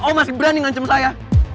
oh masih berani ngancem saya